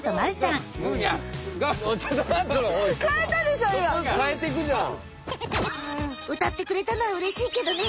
んうたってくれたのはうれしいけどね！